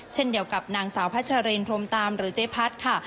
เช่นเดียวกับนางสาวพัชรินพรมตามหรือเจ๊พัดค่ะ